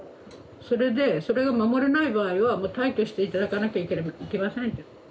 それでそれが守れない場合はもう退去して頂かなきゃいけませんって。